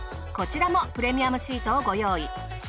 こちらもプレミアムシートをご用意。